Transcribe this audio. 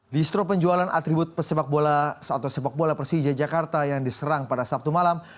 distro penjualan atribut sepak bola persijia jakarta yang diserang pada sabtu malam